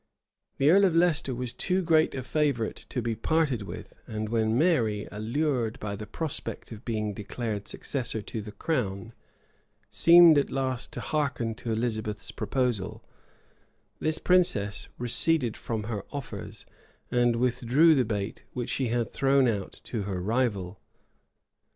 The earl of Leicester was too great a favorite to be parted with; and when Mary, allured by the prospect of being declared successor to the crown, seemed at last to hearken to Elizabeth's proposal, this princess receded from her offers, and withdrew the bait which she had thrown out to her rival.